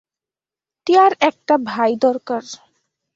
টিয়ার একটা ভাই দরকার।